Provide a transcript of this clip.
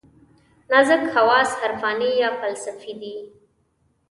نازک حواس عرفاني یا فلسفي دي.